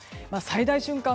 最大瞬間